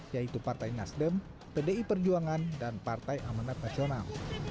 yaitu partai nasdem pdi perjuangan dan partai amanat nasional